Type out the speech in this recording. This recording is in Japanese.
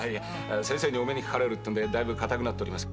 先生にお目にかかれるってんでだいぶ硬くなっとります。